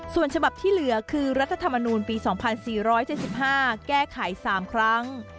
ส่วนฉบับที่เหลือคือรัฐธรรมนูญปีสองพันสี่ร้อยเจสิบห้าแก้ไขสามครั้ง